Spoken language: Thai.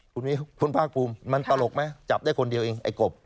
คุณมิวคุณภาคภูมิมันตลกไหมจับได้คนเดียวเองไอ้กบ